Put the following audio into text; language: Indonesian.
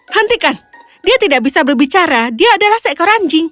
hentikan dia tidak bisa berbicara dia adalah seekor anjing